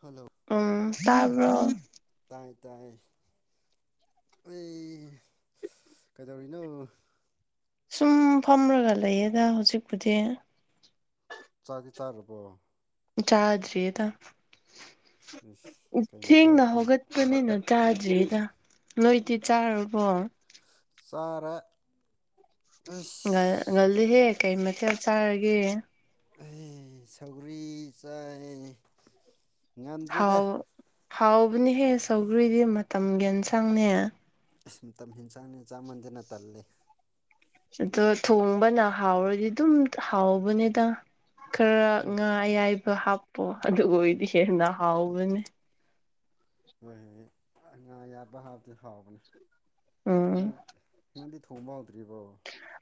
hello ꯎꯝ ꯇꯥꯕ꯭ꯔꯣ ꯇꯥꯏ ꯇꯥꯏ ꯑꯩ ꯀꯩꯗꯧꯔꯤꯅꯣ ꯁꯨꯝ ꯐꯝꯃꯒ ꯂꯩꯌꯦꯗ ꯍꯧꯖꯤꯛꯄꯨꯗꯤ ꯆꯥꯛꯀꯤ ꯆꯥꯔꯨꯔꯕꯣ ꯆꯥꯗ꯭ꯔꯤꯗ ꯏꯁ ꯀꯩ ꯃꯊꯦꯜ ꯊꯦꯡꯅ ꯊꯣꯡ ꯍꯧꯒꯠ ꯆꯄꯅꯤꯅ ꯆꯥꯗ꯭ꯔꯤꯗ ꯅꯣꯏꯗꯤ ꯆꯥꯨꯔꯕꯣ ꯆꯥꯔꯦ ꯒ ꯑꯁ ꯒꯜꯂꯤ ꯍꯦ ꯀꯩ ꯃꯊ ꯆꯥꯔꯒꯦ ꯑꯩ ꯁꯧꯒꯔꯤ ꯆꯥꯏ ꯉꯝꯗ꯭ꯔꯤꯗ ꯍꯥꯎ ꯍꯥꯎꯕꯅꯦꯍꯦ ꯁꯧꯒ꯭ꯔꯤꯗꯤ ꯃꯇꯝꯒꯤ ꯏꯟꯁꯥꯡꯅꯦ ꯃꯇꯝ ꯑꯦꯟꯁꯥꯡꯅ ꯆꯥ ꯃꯟꯗꯅ ꯇꯜꯂꯤ ꯑꯗꯣ ꯊꯣꯡꯕꯅ ꯍꯥꯎꯔꯗꯤ ꯑꯗꯨꯝ ꯍꯥꯎꯕꯅꯦꯗ ꯈꯔ ꯍꯣꯏ ꯉꯥ ꯑꯌꯥꯏꯕ ꯍꯥꯞꯄꯣ ꯑꯗꯨꯒ ꯑꯣꯏꯗꯤ ꯍꯦꯟꯅ ꯍꯥꯎꯕꯅꯦ ꯍꯣꯏ ꯉꯥ ꯌꯥꯠꯄ ꯍꯥꯞꯇꯗꯤ ꯍꯥꯎꯕꯅꯤ ꯅ ꯎꯝ ꯅꯪꯗꯤ ꯊꯣꯡꯕ ꯍꯧꯗ꯭ꯔꯤꯕꯣ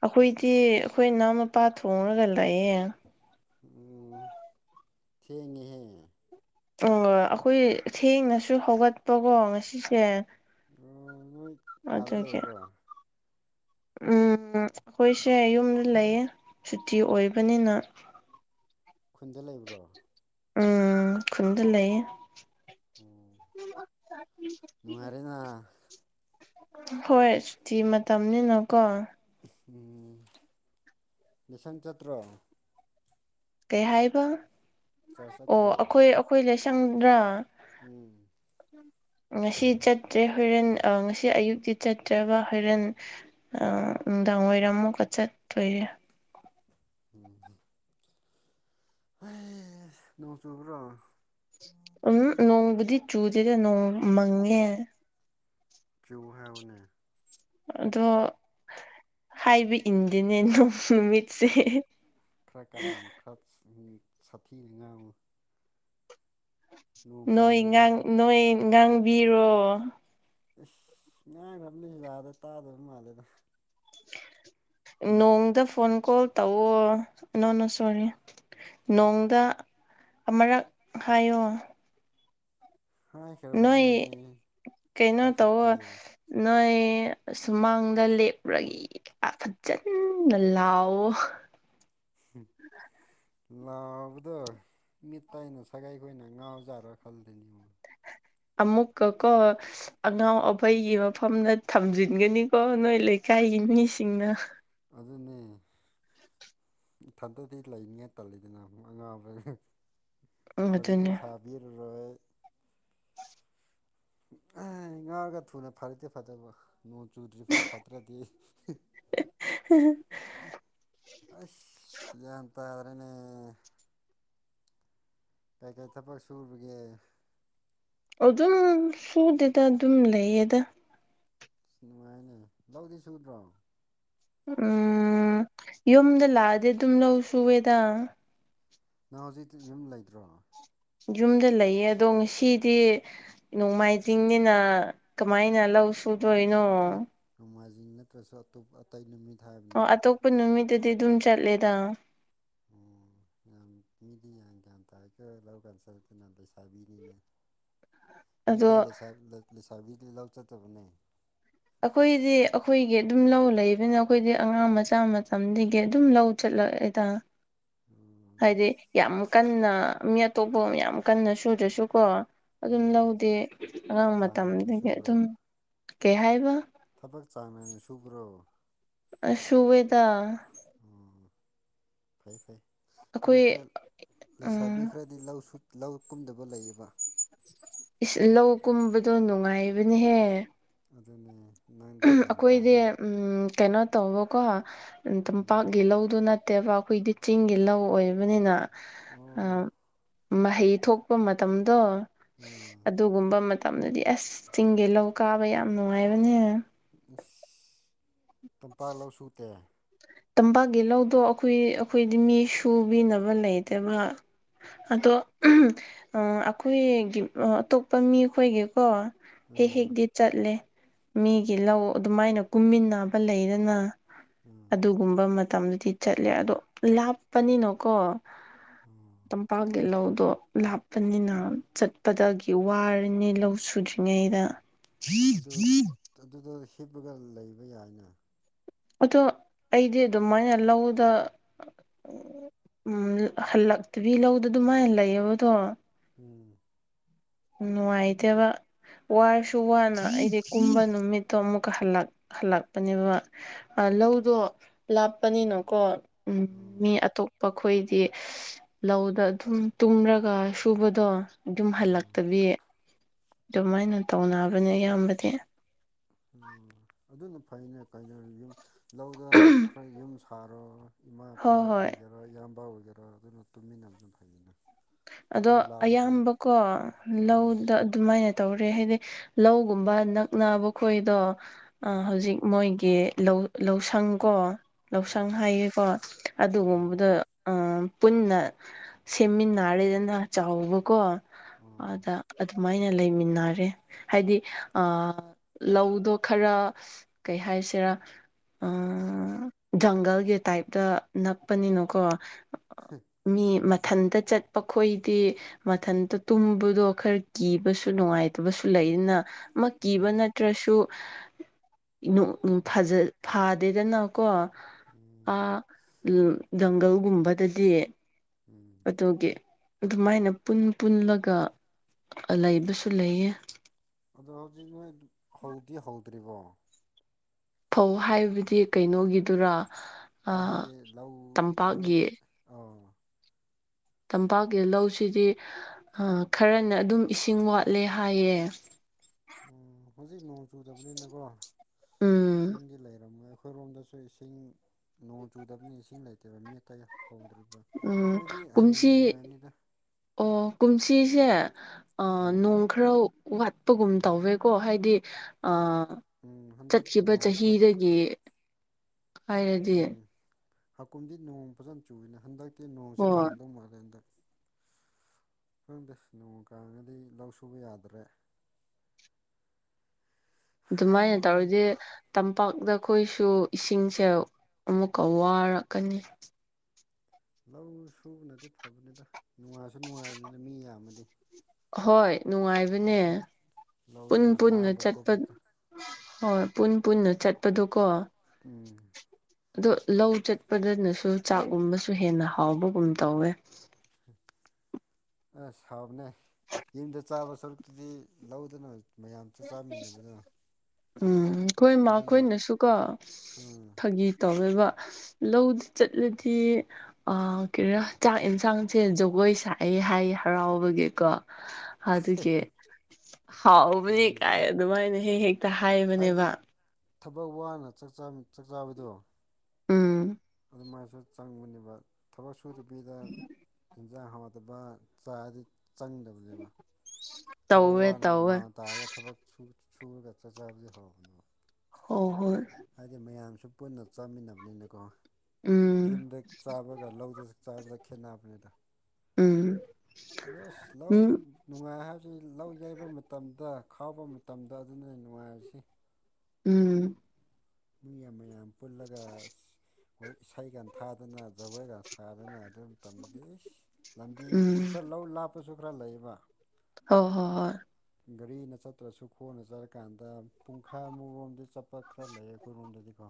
ꯑꯩꯈꯣꯏꯗꯤ ꯑꯩꯈꯣꯏ ꯏꯅꯥꯎ ꯃꯄꯥ ꯊꯣꯡꯉꯒ ꯂꯩꯌꯦ ꯎꯝ ꯊꯦꯡꯉꯍꯦ ꯑꯣ ꯑꯩꯈꯣꯏ ꯊꯦꯡꯅꯁꯨ ꯍꯧꯒꯠꯄꯀꯣ ꯉꯁꯤꯁꯦ ꯅꯣꯏ ꯑꯥꯗ ꯑꯗꯨꯒꯤ ꯂꯩꯕ꯭ꯔꯣ ꯎꯝ ꯑꯩꯈꯣꯏꯁꯦ ꯌꯨꯝꯗ ꯂꯩ ꯁꯨꯇꯤ ꯑꯣꯏꯕꯅꯤꯅ ꯈꯨꯟꯗ ꯂꯩꯕ꯭ꯔꯣ ꯎꯝ ꯈꯨꯟꯗ ꯂꯩꯌꯦ ꯑꯣ ꯅꯨꯡꯉꯥꯏꯔꯦꯅ ꯍꯣꯏ ꯁꯨꯇꯤ ꯃꯇꯝꯅꯤꯅꯀꯣ ꯅꯦꯁꯟ ꯆꯠꯇ꯭ꯔꯣ ꯀꯩ ꯍꯥꯏꯕ ꯆꯔ ꯑꯣ ꯆꯠꯇ꯭ꯔꯣ ꯑꯩꯈꯣꯏ ꯑꯩꯈꯣꯏ ꯂꯁꯪꯗ꯭ꯔꯥ ꯎꯝ ꯉꯁꯤ ꯆꯠꯇ꯭ꯔꯦ ꯍꯣꯔꯦꯟ ꯉꯁꯤ ꯑꯌꯨꯛꯇꯤ ꯆꯠꯇ꯭ꯔꯕ ꯍꯣꯔꯣꯔꯦꯟ ꯅꯨꯡꯗꯥꯡ ꯋꯥꯏꯔꯝ ꯑꯃꯨꯛꯀ ꯆꯠꯇꯣꯏꯔꯦ ꯎꯝ ꯍ ꯅꯣꯡ ꯆꯨꯕ꯭ꯔꯣ ꯎꯝ ꯅꯣꯡꯕꯨꯗꯤ ꯆꯨꯗꯦꯗ ꯅꯣꯡ ꯃꯪꯉꯦ [unintelligible] ꯑꯗꯣ ꯍꯥꯏꯕ ꯏꯟꯗꯤꯦꯅꯦ ꯅꯣꯡ ꯅꯨꯃꯤꯠꯁꯦ ꯎ ꯁꯥꯐꯤꯅ ꯉꯥꯡꯨ ꯅꯣꯏ ꯄꯥꯝꯃꯤꯅꯦ ꯉꯥꯡ ꯅꯣꯏ ꯉꯥꯡꯕꯤꯔꯣ ꯏꯁ ꯉꯥꯏ ꯐꯝꯃꯤꯁꯨꯖꯥꯗ ꯇꯥꯗꯔꯤꯕ ꯃꯥꯜꯂꯦꯗ ꯅꯣꯡꯗ ꯐꯣꯟ ꯀꯣꯜ ꯇꯧꯋ ꯅꯅꯣꯅ ꯁꯣꯔꯤ ꯅꯣꯡꯗ ꯑꯃꯨꯔꯛ ꯍꯥꯏꯌꯣ ꯅꯣꯏ ꯍꯥꯏꯈ꯭ꯔꯕꯅꯦ ꯀꯩꯅꯣ ꯇꯧꯋ ꯄꯥꯏꯈꯠꯇꯤꯌꯦ ꯅꯣꯏ ꯁꯨꯃꯥꯡꯗ ꯂꯦꯞꯄꯨꯔꯒꯦ ꯑ ꯐꯖꯅ ꯂꯥꯎꯋꯑꯣ ꯍꯝ ꯂꯥꯎꯕꯗꯣ ꯃꯤꯠ ꯇꯥꯏꯅ ꯁꯒꯥꯏꯈꯣꯏꯅ ꯉꯥꯎꯖꯥꯔ ꯈꯜꯗꯅꯤꯕꯣ ꯑꯃꯃꯨꯛ ꯀ ꯑꯉꯥꯎ ꯑꯕꯩꯒꯤ ꯃꯐꯝꯗ ꯊꯝꯖꯤꯟꯒꯅꯤꯀꯣ ꯅꯣꯏ ꯂꯩꯀꯥꯏꯒꯤ ꯃꯤꯁꯤꯡꯅ ꯑꯗꯨꯅꯦ ꯏꯊꯟꯇꯗꯤ ꯂꯩꯅꯤꯡꯉꯥꯏ ꯇꯜꯂꯤꯗꯅ ꯑꯉꯥꯡꯕ ꯎꯝ ꯋꯥꯔꯤꯂꯤꯁꯨ ꯑꯗꯨꯅꯦ ꯁꯕꯤꯔ ꯔꯦ ꯉꯥꯒ ꯊꯨꯅ ꯐꯥꯔꯛꯇꯦ ꯐꯠꯇꯕ ꯅꯣꯡ ꯆꯨꯗ꯭ꯔꯤꯐꯥꯎ ꯐꯠꯇ꯭ꯔꯗꯤ ꯑꯩ ꯑꯁꯇ ꯑꯗꯨ꯭ꯔꯦꯅꯦ ꯀꯩ ꯀꯩ ꯊꯕꯛ ꯁꯨꯨꯔꯤꯒꯦ ꯑꯗꯨꯝ ꯁꯨꯗꯦꯗ ꯑꯗꯨꯝ ꯂꯩꯌꯦꯗ ꯅꯨꯡꯉꯥꯏꯅꯦ ꯂꯧꯗꯤ ꯁꯨꯗ꯭ꯔꯣ ꯎꯝ ꯌꯨꯝꯗ ꯂꯥꯛꯑꯗꯤ ꯑꯗꯨꯝ ꯂꯧ ꯁꯨꯑꯦꯗ ꯅꯪ ꯍꯧꯖꯤꯛ ꯌꯨꯝ ꯂꯩꯇ꯭ꯔꯣ ꯌꯨꯝꯗ ꯂꯩꯌꯦ ꯑꯗꯣ ꯉꯁꯤꯗꯤ ꯅꯣꯡꯃꯥꯏꯖꯤꯡꯅꯤꯅ ꯀꯃꯥꯏꯅ ꯂꯧ ꯁꯨꯗꯣꯏꯅꯣ ꯑꯦ ꯅꯣꯡꯃꯥꯏꯖꯤꯡ ꯅꯠꯇ꯭ꯔꯁꯨ ꯑꯇꯣꯞꯄ ꯑꯇꯩ ꯅꯨꯃꯤꯠ ꯊ ꯍꯥꯏꯕꯅꯤꯗ ꯄꯨꯟ ꯅꯨꯃꯤꯠꯇꯗꯤ ꯑꯗꯨꯝ ꯆꯠꯂꯦꯗ ꯎꯝ ꯌꯥꯝ ꯃꯤꯗꯤ ꯌꯥꯝ ꯒ꯭ꯌꯥꯟ ꯇꯥꯀꯣ ꯂꯧ ꯀꯥꯟꯁꯤꯂꯗꯅ ꯂꯩꯁꯥꯕꯤꯅꯤꯅꯦ ꯃꯤꯇꯩ ꯑꯗꯣ ꯂꯩꯁꯥꯕꯤ ꯂꯧ ꯆꯗꯕꯅꯦ ꯑꯩꯈꯣꯏꯗꯤ ꯑꯩꯈꯣꯏꯒꯤ ꯑꯗꯨꯝ ꯂꯧ ꯂꯩꯕꯅ ꯑꯩꯈꯣꯏꯗꯤ ꯑꯉꯥꯡ ꯃꯆꯥ ꯃꯇꯝꯗꯒꯤ ꯑꯗꯨꯝ ꯂꯧ ꯆꯠꯂꯣꯗ ꯍꯥꯏꯗꯤ ꯌꯥꯝ ꯀꯟꯅ ꯃꯤ ꯑꯇꯣꯞꯄ ꯌꯥꯝ ꯀꯟꯅ ꯁꯨꯗ꯭ꯔꯁꯨꯀꯣ ꯑꯗꯨꯝ ꯑꯣ ꯂꯧꯗꯦ ꯑꯉꯥꯡ ꯆꯥꯡ ꯅꯥꯏꯅ ꯃꯇꯝꯗꯒꯤ ꯁꯨꯕ꯭ꯔꯣ ꯑꯗꯨꯝ ꯀꯩ ꯍꯥꯏꯕ ꯊꯕꯛ ꯆꯥꯡꯅꯅꯤ ꯁꯨꯕ꯭ꯔꯣ ꯁꯋꯦꯗ ꯑꯣ ꯐꯩ ꯐꯩ ꯑꯩꯈꯣꯏ ꯃꯤꯈ꯭ꯔꯦ ꯎꯝ ꯂꯩꯁꯥꯕꯤꯈ꯭ꯔꯦ ꯍꯥꯏꯗꯤ ꯂꯧ ꯂꯧ ꯀꯨꯝꯗꯕ ꯂꯩꯌꯦꯕ ꯂꯧ ꯀꯨꯝꯕꯗꯣ ꯅꯨꯡꯉꯥꯏꯕꯅꯦꯍꯦ ꯑꯗꯨꯅꯦ ꯅꯪꯗꯤ ꯒ꯭ꯌꯥꯟ ꯑꯩꯈꯣꯏꯗꯤ ꯇꯥꯏꯅꯦ ꯀꯩꯅꯣ ꯇꯧꯕꯀꯣ ꯎꯝ ꯇꯝꯄꯥꯛꯀꯤ ꯂꯧꯗꯨꯅ ꯅꯠꯇꯦꯕ ꯑꯩꯈꯣꯏꯗꯤ ꯆꯤꯡꯒꯤ ꯂꯧ ꯑꯣꯏꯕꯅꯤꯅ ꯑꯣ ꯃꯍꯩ ꯊꯣꯛꯄ ꯃꯇꯝꯗꯣ ꯎꯝ ꯑꯗꯨꯒꯨꯝꯕ ꯃꯇꯝꯗꯗꯤ ꯑꯁ ꯆꯤꯡꯒꯦ ꯂꯧ ꯀꯥꯕ ꯌꯥꯝ ꯅꯨꯡꯉꯥꯏꯕꯅꯦ ꯇꯝꯄꯥꯛ ꯂꯧ ꯁꯨꯇꯦ ꯇꯝꯄꯥꯛꯀꯤ ꯂꯧꯗꯣ ꯑꯩꯈꯣꯏ ꯑꯩꯈꯣꯏꯗꯤ ꯃꯤ ꯁꯨꯕꯤꯅꯕ ꯂꯩꯇꯕ ꯑꯗꯣ ꯑꯩꯈꯣꯏꯒꯤ ꯑꯇꯣꯞꯄ ꯃꯤꯈꯣꯏꯒꯤꯀꯣ ꯍꯦꯛ ꯎꯝ ꯍꯦꯛꯗꯤ ꯆꯠꯂꯦ ꯃꯤꯒꯤ ꯂꯧ ꯑꯗꯨꯃꯥꯏꯅ ꯀꯨꯝꯃꯤꯟꯅꯕ ꯂꯩꯗꯅ ꯎꯝ ꯑꯗꯨꯒꯨꯝꯕ ꯃꯇꯝꯗꯨꯗꯤ ꯆꯠꯂꯦ ꯑꯗꯣ ꯂꯥꯞꯄꯅꯤꯅꯀꯣ ꯎꯝ ꯇꯝꯄꯥꯛ ꯂ ꯎꯗꯣ ꯂ ꯆꯠꯄꯅꯤꯅ ꯆꯠꯄꯗꯒꯤ ꯋꯥꯔꯅꯤ ꯂꯧ ꯁꯨꯗ꯭ꯔꯤꯉꯩꯗ ꯑꯗꯨ ꯑꯗꯨꯗ ꯍꯤꯞꯄꯒ ꯂꯩꯕ ꯌꯥꯏꯅꯦ ꯑꯗꯣ ꯑꯩꯗꯤ ꯑꯗꯨꯃꯥꯏꯅ ꯂꯧꯗ ꯎꯝ ꯍꯜꯂꯛꯇꯕꯤ ꯂꯧꯗ ꯑꯗꯨꯃꯥꯏꯅ ꯂꯩꯌꯦꯕꯗꯣ ꯎꯝ ꯅꯨꯡꯉꯥꯏꯇꯕ ꯋꯥꯔꯁꯨ ꯋꯥꯅ ꯑꯩꯗꯤ ꯀꯨꯝꯕ ꯅꯨꯃꯤꯠꯇꯣ ꯑꯃꯨꯛꯛ ꯍꯜꯂꯛꯄꯅꯦꯕ ꯂꯧꯗꯣ ꯂꯥꯞꯄꯅꯤꯅꯀꯣ ꯎ ꯃꯤ ꯎꯝ ꯑꯇꯣꯞ ꯃꯈꯈꯣꯏꯗꯤ ꯂꯧꯗ ꯑꯗꯨꯝ ꯇꯨꯝꯔꯒ ꯁꯨꯕꯗꯣ ꯑꯗꯨꯝ ꯍꯜꯂꯛ ꯎꯝ [unintelligible] ꯑꯗꯨꯃꯥꯏꯅ ꯇꯧꯅꯕꯅꯦ ꯑꯌꯥꯝꯕꯗꯤ ꯑꯣ ꯑꯗꯨꯅ ꯐꯩꯅꯦ ꯀꯩꯅꯣ ꯌꯨꯝ ꯂꯧꯗ ꯈꯔ ꯌꯨꯝ ꯁꯥꯔ ꯏꯃꯥ ꯏꯄꯥ ꯍꯣꯏ ꯍꯣꯏ ꯑꯣꯏꯒꯦꯔꯥ ꯏꯌꯥꯝꯕ ꯑꯣꯏꯒꯦꯔꯥ ꯑꯗꯨꯅ ꯇꯨꯃꯤꯟꯅꯕꯁꯨ ꯐꯩꯌꯦꯅ ꯑꯗꯣ ꯑꯌꯥꯝꯕꯀꯣ ꯎꯝ ꯂꯧꯗ ꯑꯗꯨꯃꯥꯏꯅ ꯇꯧꯔꯦ ꯍꯥꯏꯗꯤ ꯂꯧꯒꯨꯝꯕ ꯅꯛꯅꯕ ꯈꯣꯏꯗꯣ ꯑ ꯎꯝ ꯍꯧꯖꯤꯛ ꯃꯣꯏꯒꯤ ꯂꯧ ꯂꯧꯁꯪꯀꯣ ꯂꯧꯁꯪ ꯎꯝ ꯍꯥꯏꯌꯦꯀꯣ ꯎꯝ ꯑꯗꯨꯒꯨꯝꯕꯗꯣ ꯄꯨꯟꯅ ꯁꯦꯝꯃꯤꯟꯅ ꯅꯥꯔꯦꯗꯅ ꯆꯥꯎꯕꯀꯣ ꯑꯣ ꯑꯗ ꯑꯗꯨꯃꯥꯏꯅ ꯂꯩꯃꯤꯟꯅꯔꯦ ꯍꯥꯏꯗꯤ ꯑ ꯂꯧꯗꯣ ꯈꯔ ꯀꯩ ꯍꯥꯏꯁꯤꯔꯥ ꯖꯪꯒꯜꯒꯤ ꯇꯥꯏꯞꯇ ꯅꯛꯄꯅꯤꯅꯀꯣ ꯃꯤ ꯃꯊꯟꯇ ꯆꯠꯄ ꯈꯣꯏꯗꯤ ꯃꯊꯟꯇ ꯇꯨꯝꯕꯗꯣ ꯈꯔ ꯀꯤꯕꯁꯨ ꯅꯨꯡꯉꯥꯏꯇꯕꯁꯨ ꯂꯩꯅ ꯃ ꯀꯤꯕ ꯎꯝ ꯅꯠꯇ꯭ꯔꯁꯨ ꯎꯝ ꯐꯗꯦꯗꯅꯀꯣ ꯎꯝ ꯖꯪꯒꯜꯒꯨꯝꯕꯗꯗꯤ ꯎꯝ ꯑꯗꯨꯒꯤ ꯑꯗꯨꯃꯥꯏꯅ ꯄꯨꯟ ꯄꯨꯟꯂꯒ ꯂꯩꯕꯁꯨ ꯂꯩꯌꯦ ꯑꯗꯣ ꯍꯧꯖꯤꯛ ꯅꯣꯏ ꯍꯧꯗꯤ ꯍꯧꯗ꯭ꯔꯤꯕꯣ ꯐꯧ ꯍꯥꯏꯕꯗꯤ ꯀꯩꯅꯣꯒꯤꯗꯨꯔꯥ ꯑꯩ ꯍꯧꯗꯤꯛ ꯂꯧ ꯅꯣꯏ ꯇꯝꯄꯥꯛꯀꯤ ꯑ ꯇꯝꯄꯥꯛꯀꯤ ꯂꯧꯁꯤꯗꯤ ꯈꯔꯅ ꯑꯗꯨꯝ ꯏꯁꯤꯡ ꯋꯥꯠꯂꯦ ꯍꯥꯏꯌꯦ ꯎ ꯍꯧꯖꯤꯛ ꯅꯣꯡ ꯆꯨꯗꯕꯅꯤꯅꯀꯣ ꯎꯝ ꯏꯁꯤꯡꯗꯤ ꯂꯩꯔꯝꯃꯣꯏ ꯑꯩꯈꯣꯏ ꯑꯩꯈꯣꯏꯔꯣꯝꯗꯁꯨ ꯏꯁꯤꯡ ꯅꯣꯡ ꯆꯨꯗꯕꯅ ꯏꯁꯤꯡ ꯂꯩꯇꯦꯕ ꯃꯤꯠ ꯀꯩ ꯍꯧꯗ꯭ꯔꯤꯕ ꯑꯗꯨꯒ ꯎꯝ ꯑꯩꯈꯣꯏꯗꯤ ꯍꯌꯦꯡꯅ ꯀꯨꯝꯁꯤ ꯂꯣꯏꯔꯅꯤꯗ ꯑꯣ ꯀꯨꯝꯁꯤꯁꯦ ꯎꯝ ꯅꯣꯡ ꯈꯔ ꯋꯥꯠꯄꯒꯨꯝ ꯇꯧꯋꯦꯀꯣ ꯍꯥꯏꯗꯤ ꯎꯝ ꯍꯟꯗꯛ ꯆꯠꯈꯤꯕ ꯅꯣꯡ ꯈꯔ ꯆꯍꯤꯗꯒꯤ ꯍꯥꯏꯔꯗꯤ ꯎꯝ ꯍꯥꯀꯨꯝꯗꯤ ꯅꯣꯡ ꯐꯖꯅ ꯆꯨꯏꯅ ꯍꯟꯗꯛ ꯀꯤ ꯅꯣꯡꯁꯦ ꯍꯣꯏ ꯀꯥꯡꯗꯧ ꯃꯥꯜꯂꯦ ꯍꯟꯗꯛ ꯈꯪꯗꯦ ꯅꯣꯡ ꯀꯥꯡꯒꯗꯤ ꯂꯧ ꯁꯨꯕ ꯌꯥꯗ꯭ꯔꯦ [inaudible] ꯑꯗꯨꯃꯥꯏꯅ ꯍꯥꯏ ꯇꯧꯔꯗꯤ ꯇꯝꯄꯥꯛꯇ ꯑꯩꯈꯣꯏꯁꯨ ꯏꯁꯤꯡꯁꯦ ꯑꯃꯨꯛꯀ ꯋꯥꯔꯛꯀꯅꯤ ꯂꯧ ꯁꯨꯕ ꯅꯠꯇꯦ ꯐꯕꯅꯤꯗ ꯅꯨꯡꯉꯥꯏꯁꯨ ꯅꯨꯡꯉꯥꯏꯕꯅꯤꯅ ꯃꯤ ꯌꯥꯝꯃꯗꯤ ꯍꯣꯏ ꯅꯨꯡꯉꯥꯏꯕꯅꯦ ꯄꯨꯟ ꯂꯧꯗꯅ ꯄꯨꯟꯅ ꯂꯥꯝꯕ ꯆꯠꯄ ꯈꯣꯠꯄꯗꯨꯗ ꯍꯣꯏ ꯄꯨꯟ ꯄꯨꯟꯅ ꯆꯠꯄꯗꯨꯣ ꯀꯣ ꯎ ꯑꯗꯣ ꯂꯧ ꯆꯠꯄꯗꯅꯁꯨ ꯆꯥꯛꯒꯨꯝꯕꯁꯨ ꯍꯦꯟꯅ ꯍꯥꯎꯕꯒꯨꯝ ꯇꯧꯋꯦ ꯑꯁ ꯍꯥꯎꯕꯅꯦ ꯌꯨꯝꯗ ꯆꯥꯕ ꯁꯔꯨꯛꯇꯨꯗꯤ ꯂꯧꯗꯅ ꯃꯌꯥꯝ ꯆ ꯆꯥꯃꯤꯟꯅꯕꯗꯨꯅ ꯎꯝ ꯑꯩꯈꯣꯏ ꯃꯈꯣꯏꯅꯁꯨꯀ ꯎꯝ ꯐꯥꯒꯤ ꯇꯧꯋꯦꯕ ꯂꯧꯗꯨ ꯆꯠꯂꯗꯤ ꯑ ꯀꯩꯅꯣ ꯆꯥꯛ ꯌꯦꯟꯁꯥꯡꯁꯦ ꯖꯒꯣꯏ ꯁꯥꯛꯑꯦ ꯍꯥꯏ ꯍꯔꯥꯎꯕꯒꯤꯀꯣ ꯑꯗꯨꯒꯤ ꯍꯥꯎꯕꯅꯤ ꯆꯨꯝꯃꯤ ꯀꯥꯏ ꯆꯨꯝꯃꯤ ꯑꯗꯨꯃꯥꯏꯅ ꯍꯦꯛ ꯍꯦꯛꯇ ꯍꯥꯏꯕꯗꯤ ꯍꯥꯏꯕꯅꯦꯕ ꯊꯕꯛ ꯋꯥꯅ ꯆꯥꯛꯆꯥꯥꯕꯗꯣ ꯎꯝ ꯑꯗꯨꯃꯥꯏꯅꯁꯨ ꯆꯪꯕꯅꯦꯕ ꯊꯕꯛ ꯁꯨꯗ ꯕꯤꯗ ꯍꯤꯟꯖꯥꯡ ꯍꯥꯎꯠꯇꯕ ꯆꯥꯗꯤ ꯆꯪꯗꯕꯅꯦꯕ ꯊꯕꯛ ꯇꯧꯋꯦ ꯋꯥꯅ ꯇꯧꯋꯦ ꯎꯃꯡ ꯇꯥꯔꯒ ꯊꯕꯛ ꯁꯨꯔꯒ ꯆꯠ ꯆꯕꯗꯤ ꯍꯧꯔꯕꯅꯦꯕ ꯍꯣꯏ ꯍꯣꯏ ꯍꯥꯏꯗꯤ ꯃꯌꯥꯝꯁꯨ ꯄꯨꯟꯅ ꯆꯥꯃꯤꯟꯅꯕꯅꯤꯅꯀꯣ ꯎꯝ ꯌꯨꯝꯗ ꯆꯥꯕꯒ ꯂꯧꯗ ꯆꯥꯕꯗ ꯈꯦꯠꯅꯕꯅꯤꯗ ꯎꯝ ꯑꯗꯣ ꯑꯁ ꯂꯧ ꯎꯝ ꯅꯨꯡꯉꯥꯏ ꯍꯥꯏꯕꯁꯤ ꯂꯧ ꯌꯩꯕ ꯃꯇꯝꯗ ꯈꯥꯎꯕ ꯃꯇꯝꯗ ꯑꯗꯨꯅ ꯅꯨꯡꯉꯥꯏꯔꯁꯤ ꯎꯝ ꯃꯤ ꯌꯥꯝ ꯃꯌꯥꯝ ꯄꯨꯜꯂꯒ ꯑꯩꯈꯣꯏ ꯏꯁꯩꯀ ꯊꯥꯗꯅ ꯖꯒꯣꯏꯒ ꯁꯥꯗꯅ ꯑꯗꯨꯝ ꯇꯝꯅꯗꯤ ꯂꯝꯕꯤ ꯎꯝ ꯈꯔ ꯂꯧ ꯂꯥꯞꯄꯁꯨ ꯈꯔ ꯂꯩꯕ ꯍ ꯍꯣ ꯍꯣꯏ ꯒꯥꯔꯤꯅ ꯆꯠꯇ꯭ꯔꯁꯨ ꯈꯣꯡꯅ ꯆꯠꯔꯀꯥꯟꯗ ꯄꯨꯡꯈꯥꯏꯃꯨꯔꯣꯝꯗꯤ ꯆꯠꯄ ꯈꯔ ꯂꯩꯌꯦ ꯑꯃꯥꯔꯣꯝꯗꯗꯤꯀꯣ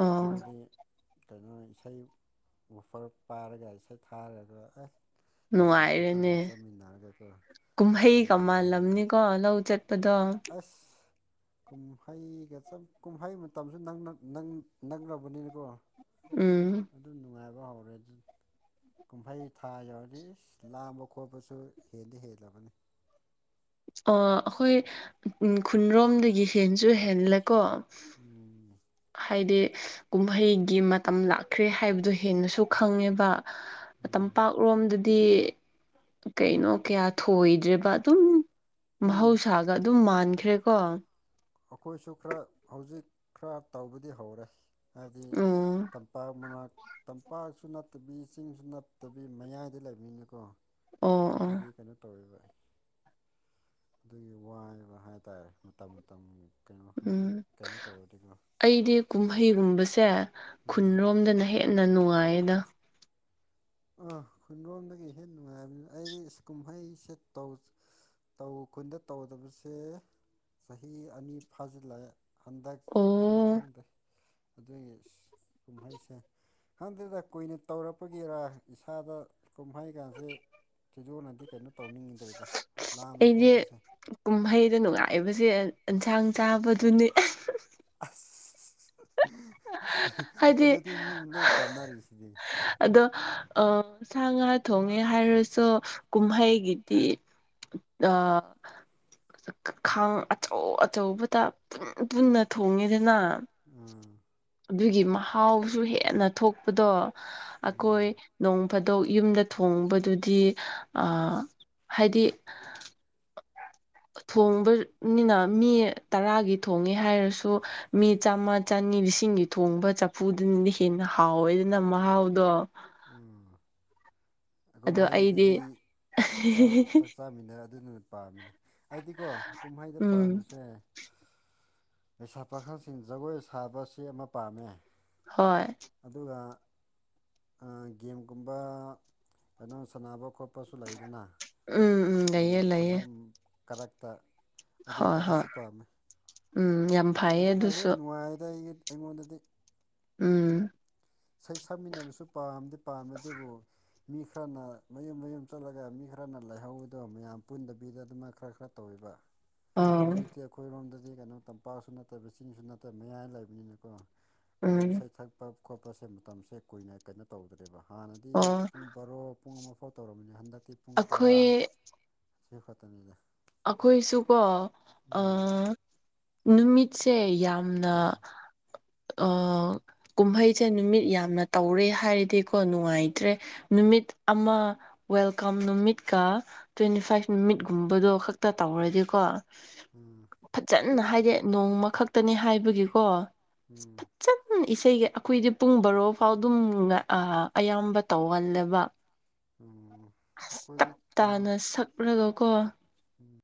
ꯑꯣ ꯑꯗꯨꯗꯤ ꯀꯩꯅꯣ ꯏꯁꯩ ꯋꯥꯐꯔ ꯄꯥꯔꯒ ꯏꯁꯩ ꯊꯥꯔꯒ ꯑꯦ ꯂꯩꯩꯁꯥ ꯄꯥꯈꯥꯡꯁꯤ ꯆꯥꯃꯤꯟꯅꯔꯒ ꯀꯣ ꯀꯨꯝꯍꯩꯒꯃꯜꯂꯝꯅꯤꯀꯣ ꯂꯧ ꯆꯠꯄꯗꯣ ꯑꯁ ꯀꯨꯝꯍꯩꯒ ꯀꯨꯝꯍꯩ ꯃꯇꯝꯁꯨ ꯅꯪꯅꯥ ꯅꯪꯅꯥ [unintelligible] ꯅꯪꯕꯅꯤꯅꯀꯣ ꯎꯝ ꯑꯗꯨ ꯅꯨꯡꯉꯥꯏꯕ ꯍꯧꯔꯗꯤ ꯀꯨꯝꯍꯩ ꯊꯥ ꯌꯧꯔꯗꯤ ꯂꯥꯡꯕ ꯈꯣꯠꯄꯁꯨ ꯍꯦꯟꯗꯤ ꯍꯦꯜꯂꯕꯅꯤ ꯑꯣ ꯑꯩꯈꯣꯏ ꯈꯨꯟꯔꯣꯝꯗꯒꯤ ꯍꯦꯟꯁꯨ ꯍꯦꯜꯂꯦꯀꯣ ꯎꯝ ꯍꯥꯏꯗꯤ ꯀꯨꯝꯍꯩꯒꯤ ꯃꯇꯝ ꯂꯥꯛꯈ꯭ꯔꯦ ꯍꯥꯏꯕꯗꯣ ꯍꯦꯟꯅꯁꯨ ꯈꯪꯉꯦꯕ ꯎꯝ ꯇꯝꯄꯥꯛꯂꯣꯝꯗꯗꯤ ꯗꯤ ꯀꯩꯅꯣ ꯀꯌꯥ ꯊꯣꯏꯗ꯭ꯔꯦꯕ ꯑꯗꯨꯝ ꯎꯝ ꯃꯍꯧꯁꯥꯒ ꯑꯗꯨꯝ ꯃꯥꯟꯈ꯭ꯔꯦꯀꯣ ꯑꯩꯈꯣꯏꯁꯨ ꯈꯔ ꯍꯧꯖꯤꯛ ꯈꯔ ꯇꯧꯕꯗꯤ ꯍꯧꯔꯦ ꯍꯥꯏꯕꯗꯤ ꯎꯝ ꯇꯝꯄꯥꯛ ꯃꯅꯥꯛ ꯇꯝꯄꯥꯛꯁꯨ ꯅꯠꯇꯕꯤ ꯆꯤꯡꯁꯨ ꯅꯠꯇꯕꯤ ꯃꯌꯥꯏꯗ ꯂꯩꯕꯅꯤꯀꯣ ꯑꯣ ꯑꯣ ꯑꯩꯈꯣꯏꯗꯤ ꯀꯩꯅꯣ ꯇꯧꯔꯤꯕ ꯑꯗꯨꯒꯤ ꯋꯥꯏꯕ ꯍꯥꯏꯇꯥꯔꯦ ꯃꯇꯝ ꯃꯇꯝ ꯀꯩꯅꯣ ꯍꯧꯖꯤꯛ ꯎꯝ ꯀꯩꯅꯣ ꯇꯧꯔꯗꯤꯀꯣ ꯑꯩꯗꯤ ꯀꯨꯝꯍꯩꯒꯨꯝꯕꯁꯦ ꯎꯝ ꯈꯨꯟꯔꯣꯝꯗꯅ ꯍꯦꯟꯅ ꯅꯨꯡꯉꯥꯏꯌꯦꯅꯦ ꯑꯥ ꯈꯨꯟꯔꯣꯝꯗꯒꯤ ꯍꯦꯟꯅ ꯅꯨꯡꯉꯥꯏꯕꯅꯦ ꯑꯩ ꯀꯨꯝꯍꯩꯁꯦ ꯇꯧ ꯇꯧ ꯈꯨꯨꯟꯗ ꯇꯧꯗꯕꯁꯦ ꯆꯍꯤ ꯑꯅꯤ ꯐꯥꯖꯤꯜꯂꯛꯑꯦ ꯍꯥꯟꯗꯛꯁꯨ ꯑꯣ ꯈꯪꯗꯦ ꯑꯗꯨꯒꯤ ꯀꯨꯝꯍꯩꯁꯦ ꯈꯪꯗꯦꯗ ꯀꯨꯏꯅ ꯇꯧꯔꯛꯄꯒꯤꯔꯥ ꯏꯁꯥꯗ ꯀꯨꯝꯍꯩ ꯒꯥꯁꯦ [unintelligible] [unintelligible] ꯇꯧꯅꯤꯡꯉꯤꯗꯕꯤꯗ ꯂꯥꯝꯕ ꯑꯩꯗꯤ ꯈꯣꯠꯄꯁꯦ ꯀꯨꯝꯍꯩꯗ ꯅꯨꯡꯉꯥꯏꯕꯁꯦ ꯑꯦꯟꯁꯥꯡ ꯆꯥꯕꯗꯨꯅꯤ ꯑꯁ ꯍꯥꯏꯗꯤ ꯑꯗꯨꯗꯤ ꯃꯤ ꯂꯣꯏ ꯄꯥꯝꯅꯔꯤꯁꯤꯗꯤ ꯑꯗꯣ ꯁꯥ ꯉꯥ ꯊꯣꯡꯉꯦ ꯍꯥꯏꯔꯁꯨ ꯀꯨꯝꯍꯩꯒꯤꯗꯤ ꯑ ꯈꯥꯡ ꯑꯆꯧ ꯑꯆꯧꯕꯗ ꯄꯨꯟ ꯄꯨꯟꯅ ꯊꯣꯡꯉꯤꯗꯅ ꯎꯝ ꯑꯗꯨꯒꯤ ꯃꯍꯥꯎꯁꯨ ꯍꯦꯟꯅ ꯊꯣꯛꯄꯗꯣ ꯑꯩꯈꯣꯏ ꯎꯝ ꯅꯣꯡ ꯐꯥꯗꯣꯛ ꯌꯨꯝꯗ ꯊꯣꯡꯕꯗꯨꯗꯤ ꯍꯥꯏꯗꯤ ꯊꯣꯡꯕꯅꯤꯅ ꯃꯤ ꯇꯔꯥꯒꯤ ꯊꯣꯡꯉꯦ ꯍꯥꯏꯔꯁꯨ ꯃꯤ ꯆꯥꯝꯃ ꯆꯅꯤ ꯂꯤꯁꯤꯡꯒꯤ ꯊꯣꯡꯕ ꯆꯐꯨꯗꯨꯅꯗꯤ ꯍꯦꯟꯅ ꯍꯥꯎꯋꯦ ꯑꯗꯨꯅ ꯃꯍꯥꯎꯗꯣ ꯎꯝ ꯀꯨꯝ ꯑꯗꯣ ꯑꯩꯗꯤ ꯍꯩꯗꯗꯤ ꯆꯥꯛ [unintelligible] ꯆꯥꯃꯤꯟꯅ ꯑꯗꯨꯅ ꯍꯦꯟꯅꯥ ꯄꯥꯝꯃꯤꯅꯦ ꯑꯩꯗꯤꯀꯣ ꯀꯨꯝꯍꯩꯗ ꯎꯝ ꯄꯥꯝꯃꯤꯁꯦ ꯂꯩꯁꯥ ꯄꯥꯈꯜꯁꯤꯡ ꯖꯒꯣꯏ ꯁꯥꯕꯁꯤ ꯑꯃ ꯄꯥꯝꯃꯦ ꯍꯣꯏ ꯑꯗꯨꯒ ꯒꯦꯝꯒꯨꯝꯕ ꯀꯩꯅꯣ ꯁꯥꯟꯅꯕ ꯈꯣꯠꯄꯁꯨ ꯂꯩꯗꯅ ꯎꯝ ꯎꯝ ꯂꯩꯌꯦ ꯂꯩꯌꯦ ꯀꯨꯝꯍꯩ ꯀꯔꯛꯇ ꯑꯗꯨ ꯍꯣꯏ ꯍꯣꯏ ꯑꯗꯨꯁꯨ ꯄꯥꯝꯃꯦ ꯎꯝ ꯌꯥꯝ ꯐꯩꯌꯦ ꯑꯗꯨꯅ ꯍꯦꯛ ꯑꯗꯨꯁꯨ ꯅꯨꯡꯉꯥꯏꯗ ꯑꯩꯒꯤ ꯑꯩꯉꯣꯟꯗꯗꯤ ꯎꯝ ꯏꯁꯩ ꯁꯛꯃꯤꯟꯅꯕꯁꯨ ꯄꯥꯝꯗꯤ ꯄꯥꯝꯃꯦ ꯑꯗꯨꯕꯨ ꯃꯤ ꯈꯔꯅ ꯃꯌꯨꯝ ꯃꯌꯨꯝ ꯆꯠꯂꯒ ꯃꯤ ꯈꯔꯅ ꯂꯩꯥꯏꯍꯧꯕꯗꯣ ꯃꯌꯥꯝ ꯄꯨꯟꯗꯕꯤꯗ ꯑꯗꯨꯃꯥꯏꯅ ꯈꯔ ꯈꯔ ꯇꯧꯑꯕ ꯑ ꯍꯧꯖꯤꯛꯇꯤ ꯑꯩꯈꯣꯏꯔꯣꯝꯗꯗꯤ ꯀꯩꯅꯣ ꯇꯝꯄꯥꯛꯁꯨ ꯅꯠꯇꯕ ꯆꯤꯡꯁꯨ ꯅꯠꯇꯕ ꯃꯌꯥꯏ ꯂꯩꯕꯅꯤꯅꯀꯣ ꯀꯩꯅꯣ ꯎꯝ ꯏꯁꯩ ꯊꯛꯄ ꯈꯣꯠꯄꯁꯦ ꯃꯇꯝꯁꯦ ꯀꯨꯏꯅ ꯀꯩꯅꯣ ꯇꯧꯗ꯭ꯔꯦꯕ ꯍꯥꯟꯅꯗꯤ ꯑꯣ ꯄꯨꯡ ꯕꯥꯔꯣ ꯄꯨꯡ ꯑꯃꯐꯥꯎ ꯇꯧꯃꯤꯅꯦ ꯍꯟꯗꯛꯇꯤ ꯄꯨꯡ ꯇꯔꯥ ꯑꯩꯈꯣꯏ ꯁꯤ ꯈꯛꯇꯅꯤꯗ ꯑꯩꯈꯣꯏꯁꯨꯀꯣ ꯎꯝ ꯅꯨꯃꯤꯠꯁꯦ ꯌꯥꯝꯅ ꯎꯝ ꯑ ꯀꯨꯝꯍꯩꯁꯦ ꯅꯨꯃꯤꯠ ꯌꯥꯝꯅ ꯇꯧꯔꯦ ꯍꯥꯏꯔꯗꯤꯀꯣ ꯅꯨꯡꯉꯥꯏꯇ꯭ꯔꯦ ꯅꯨꯃꯤꯠ ꯑꯃ ꯋꯦꯜꯀꯝ ꯅꯨꯃꯤꯠꯀ ꯇ꯭ꯋꯦꯟꯇꯤ ꯐꯥꯏꯚ ꯅꯨꯃꯤꯠꯀꯨꯝꯕꯗꯣ ꯈꯛꯇ ꯇꯧꯔꯗꯤꯀꯣ ꯎꯝ ꯐꯖꯅ ꯑꯩꯈꯣꯏꯗꯤ ꯍꯥꯏꯗꯤ ꯅꯣꯡꯃ ꯈꯛꯇꯅꯤ ꯍꯥꯏꯕꯒꯤꯀꯣ ꯎꯝ ꯁꯝ ꯏꯁꯩꯒꯤ ꯑꯩꯈꯣꯏꯗꯤ ꯄꯨꯡ ꯕꯣꯔꯣ ꯐꯥꯎ ꯑꯗꯨꯝ ꯑꯌꯥꯝꯕ ꯇꯧꯍꯜꯂꯦꯕ ꯎꯝ ꯑꯩꯈꯣꯏꯗꯤ ꯇꯥꯡ ꯇꯞꯇꯥꯥꯅ ꯁꯛꯂꯒ ꯀꯣ [unintelligible]